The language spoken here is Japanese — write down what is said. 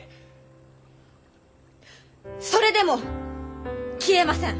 それでも消えません！